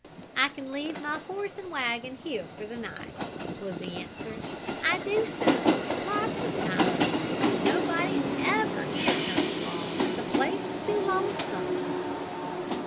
"I can leave my horse and wagon here for the night," was the answer. "I do so lots of times. Nobody ever here comes along the place is too lonesome."